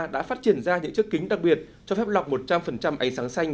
đã phát triển ra những chiếc kính đặc biệt cho phép lọc một trăm linh ánh sáng xanh